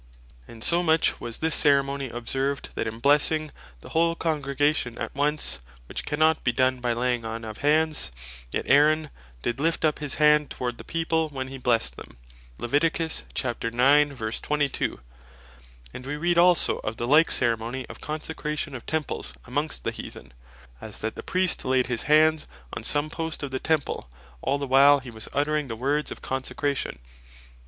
And so much was this ceremony observed, that in blessing the whole Congregation at once, which cannot be done by Laying on of Hands, yet "Aaron (Levit. 9.22.) did lift up his Hand towards the people when he blessed them." And we read also of the like ceremony of Consecration of Temples amongst the Heathen, as that the Priest laid his Hands on some post of the Temple, all the while he was uttering the words of Consecration.